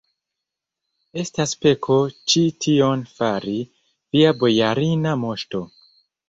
estas peko ĉi tion fari, via bojarina moŝto!